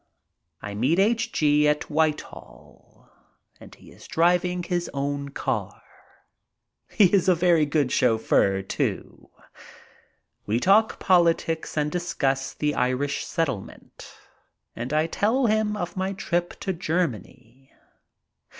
I meet H. G. at White hall and he is driving his own car. He is a very good chauf feur, too. We talk politics and discuss the Irish settlement and I tell him of my trip to Germany.